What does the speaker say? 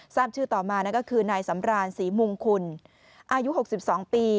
ทราบชื่อต่อมาก็คือนายสำรานศรีมงคุณอายุ๖๒ปี